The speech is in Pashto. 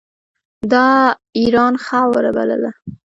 د اېران خاوره بلله.